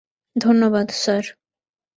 ধন্যবাদ, স্যার।